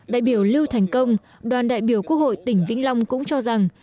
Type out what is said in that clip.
đại biểu lưu thành công đoàn đại biểu quốc hội tỉnh vĩnh long cũng cho rằng